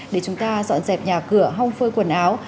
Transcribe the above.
để chúng ta dọn dẹp nhà cửa hong phơi quần áo